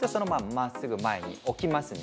まっすぐ前に置きますね